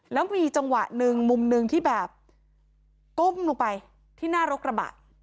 แล้วมีจังหวะหนึ่งมุมหนึ่งที่แบบก้มลงไปที่หน้ารกระบะ